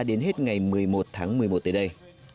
đến hết ngày một mươi một tháng một mươi một tới đây